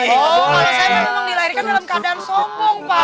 oh kalau saya memang dilahirkan dalam keadaan sombong pak